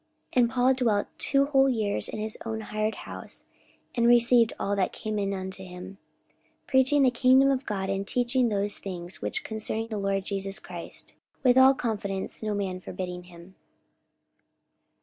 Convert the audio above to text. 44:028:030 And Paul dwelt two whole years in his own hired house, and received all that came in unto him, 44:028:031 Preaching the kingdom of God, and teaching those things which concern the Lord Jesus Christ, with all confidence, no man forbidding him.